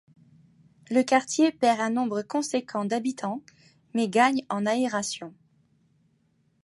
Le quartier perd un nombre conséquent d'habitants mais gagne en aération.